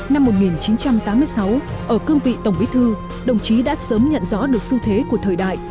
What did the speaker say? năm một nghìn chín trăm tám mươi sáu ở cương vị tổng bí thư đồng chí đã sớm nhận rõ được xu thế của thời đại